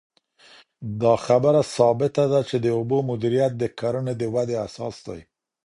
دا خبره ثابته ده چې د اوبو مدیریت د کرنې د ودې اساس دی.